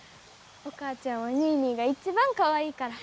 お母ちゃんはニーニーが一番かわいいから。